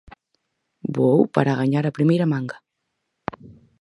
Voou para gañar a primeira manga.